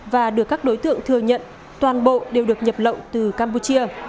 và được các đối tượng thừa nhận toàn bộ đều được nhập lậu từ campuchia